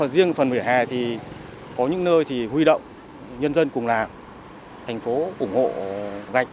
riêng phần vỉa hè thì có những nơi huy động nhân dân cùng làm thành phố ủng hộ gạch và vỉa hè